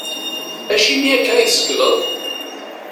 Acimi akka i tzelgeḍ?